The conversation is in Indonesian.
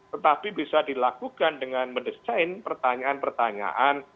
tetapi bisa dilakukan dengan mendesain pertanyaan pertanyaan